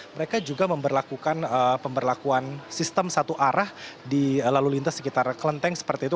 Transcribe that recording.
mereka juga memperlakukan pemberlakuan sistem satu arah di lalu lintas sekitar kelenteng seperti itu